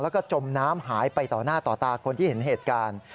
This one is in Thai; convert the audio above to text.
แล้วก็จมน้ำหายไปต่อหน้าต่อตาคนที่เห็นเหตุการณ์